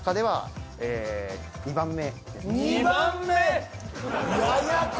２番目！？